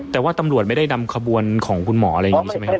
แต่ว่าตำรวจไม่ได้นำขบวนของคุณหมออะไรอย่างนี้ใช่ไหมครับ